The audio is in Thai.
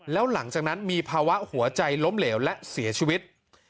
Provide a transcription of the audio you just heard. แล้วหลังจากนั้นมีภาวะหัวใจล้มเหลวและเสียชีวิต